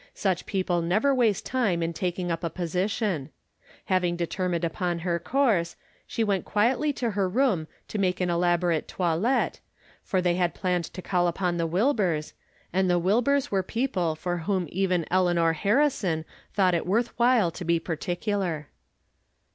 Such people never waste time in taking up a po sition. Having determined upon her course, she went quietly to her room to make an elaborate toilet, for they had planned to call upon the Wil burs, and the Wilburs were people for whom even Eleanor Harrison thought it worth while to be particular.